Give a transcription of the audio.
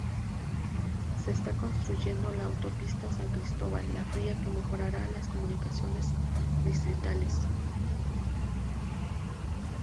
Se está construyendo la autopista San Cristóbal–La Fría, que mejorará las comunicaciones distritales.